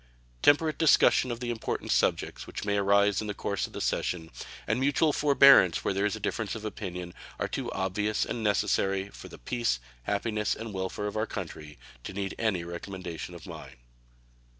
Temperate discussion of the important subjects which may arise in the course of the session and mutual forbearance where there is a difference of opinion are too obvious and necessary for the peace, happiness, and welfare of our country to need any recommendation of mine.